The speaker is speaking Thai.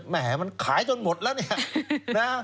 แหมมันขายจนหมดแล้วนะคะ